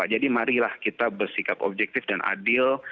jadi marilah kita bersikap objektif dan adil